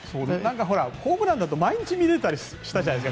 ホームランだと去年毎日見れたりしたじゃない。